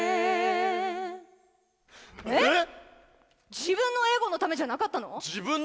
自分のエゴのためじゃなかったの？